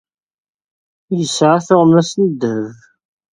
Yesεa tuɣmas n ddheb.